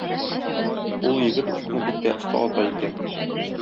Ул егет укны бик тә оста ата икән.